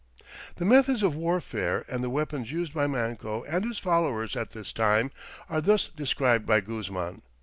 The methods of warfare and the weapons used by Manco and his followers at this time are thus described by Guzman.